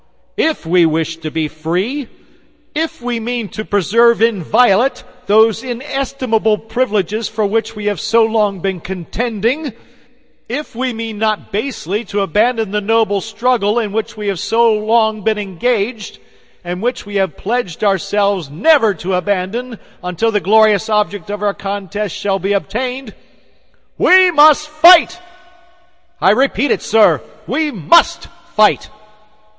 If we wish to be free if we mean to preserve inviolate those inestimable privileges for which we have been so long contending if we mean not basely to abandon the noble struggle in which we have been so long engaged, and which we have pledged ourselves never to abandon until the glorious object of our contest shall be obtained we must fight! I repeat it, sir, we must fight!